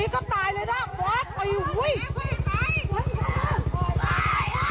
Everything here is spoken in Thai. บอกให้มันหลับหลุง